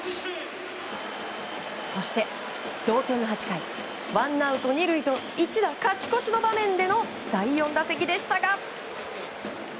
そして同点の８回ワンアウト２塁と一打勝ち越しの場面での第４打席でしたが。